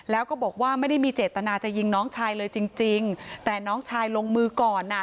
แล้วก็บอกว่าไม่ได้มีเจตนาจะยิงน้องชายเลยจริงจริงแต่น้องชายลงมือก่อนอ่ะ